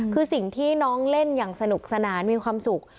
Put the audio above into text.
คือสิ่งที่น้องเล่นอย่างสนุกสนานมีความสุข